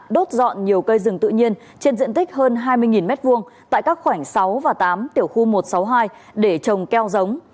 đốt dọn nhiều cây rừng tự nhiên trên diện tích hơn hai mươi m hai tại các khoảnh sáu và tám tiểu khu một trăm sáu mươi hai để trồng keo giống